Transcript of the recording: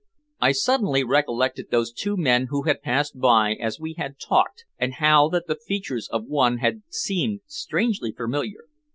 I suddenly recollected those two men who had passed by as we had talked, and how that the features of one had seemed strangely familiar.